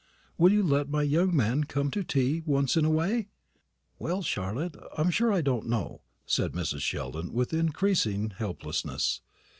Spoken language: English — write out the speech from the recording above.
Will you let my 'young man' come to tea once in a way?" "Well, Charlotte, I'm sure I don't know," said Mrs. Sheldon, with increasing helplessness.